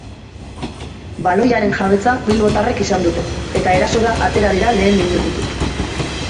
Baloiaren jabetza bilbotarrek izan dute, eta erasora atera dira lehen minututik.